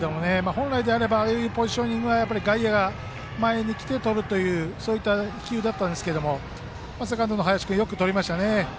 本来であればああいうポジショニングは外野が前に来て、とるという１球でしたがセカンドの林君がよくとりましたね。